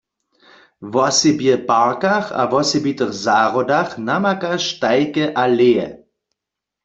Wosebje w parkach a wosebitych zahrodach namakaš tajke aleje.